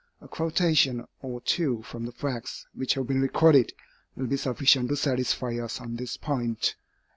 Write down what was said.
A quotation or two from the facts which have been recorded, will be sufficient to satisfy us on this point.